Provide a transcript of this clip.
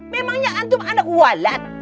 memangnya antum anak walat